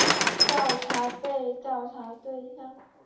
探寻被调查对象对。